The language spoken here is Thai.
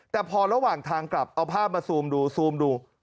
แต่พอระหว่างทางกลับเอาภาพมาซูมดูซูมดู